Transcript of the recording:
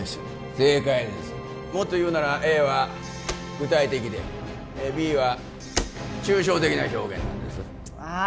正解ですもっと言うならＡは具体的でＢは抽象的な表現なんですあっ